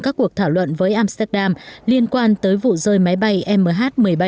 các cuộc thảo luận với amsterdam liên quan tới vụ rơi máy bay mh một mươi bảy